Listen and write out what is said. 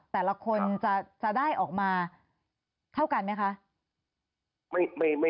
แต่ละคนจะได้ออกมาเท่ากันไหมคะ